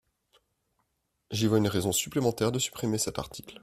J’y vois une raison supplémentaire de supprimer cet article.